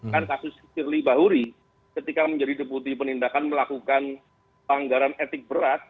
kan kasus firly bahuri ketika menjadi deputi penindakan melakukan pelanggaran etik berat